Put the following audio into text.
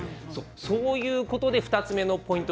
そういうことで２つ目のポイント